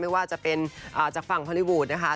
ไม่ว่าจะเป็นจากฝั่งฮอลลี่วูดนะคะ